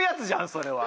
それは！